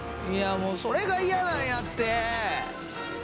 いやもうそれが嫌なんやって！